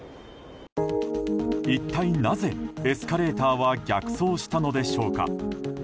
一体なぜ、エスカレーターは逆走したのでしょうか。